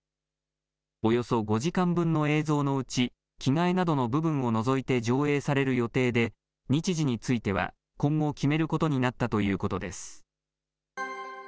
およそ５時間分の映像のうち、着替えなどの部分を除いて上映される予定で、日時については、今後決めることになったということです。